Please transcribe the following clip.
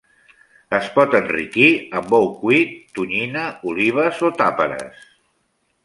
Es pot enriquir amb ou cuit, tonyina, olives o tàperes.